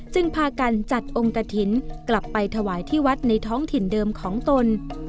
พากันจัดองค์กระถิ่นกลับไปถวายที่วัดในท้องถิ่นเดิมของตน